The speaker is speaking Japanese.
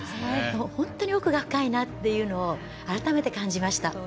本当に奥が深いなっていうのを改めて感じました。